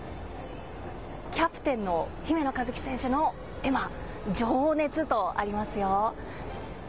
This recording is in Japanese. キャプテンの姫野和樹選手の絵馬、情熱とありますよ。